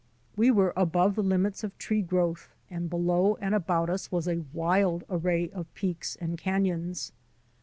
We were above the limits of tree growth and below and about us was a wild array of peaks and canons.